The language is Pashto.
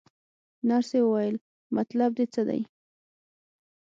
نرسې وویل: مطلب دې څه دی؟